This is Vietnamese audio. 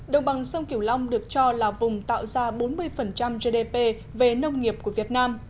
đồng bằng sông kiểu long được cho là vùng tạo ra bốn mươi gdp về nông nghiệp của việt nam